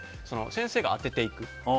先生が当てていく。